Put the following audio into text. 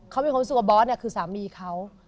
เขามีความรู้สึกว่าบอสเนี่ยคือสามีเขา